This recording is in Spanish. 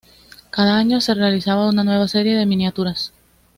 Cada año se realizaba una nueva serie de miniaturas.